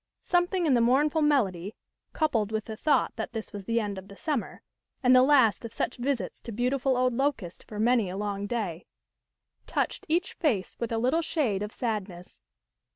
" Something in the mournful melody, coupled with the thought that this was the end of the summer, THE END OF THE SUMMER. 19 and the last of such visits to beautiful old Locust for many a long day, touched each face with a little shade of sadness.